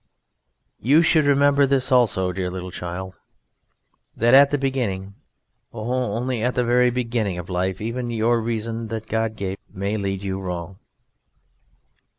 You should remember this also, dear little child, that at the beginning oh, only at the very beginning of life even your reason that God gave may lead you wrong.